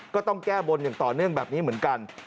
ก็ต้องแก้บนอย่างต่อเนื่องแบบนี้เหมือนกัน